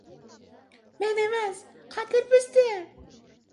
— Men emas, Qodir buzdi.